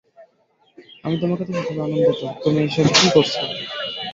আমি তোমাকে দেখে খুবই আনন্দিত, তুমি এইসব কি করেছো?